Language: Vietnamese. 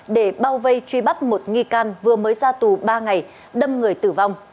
để bao vây truy bắt một nghi can vừa mới ra tù ba ngày đâm người tử vong